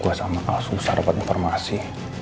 gua sama kalah susah dapet informasi